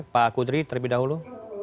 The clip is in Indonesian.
pak kutri terlebih dahulu